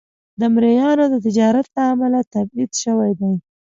د مریانو د تجارت له امله تبعید شوی دی.